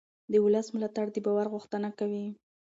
د ولس ملاتړ د باور غوښتنه کوي